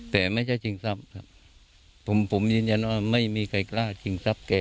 แต่ไม่ใช่ชิงทรัพย์ครับผมผมยืนยันว่าไม่มีใครกล้าชิงทรัพย์แก